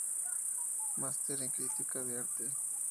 Master en crítica de arte.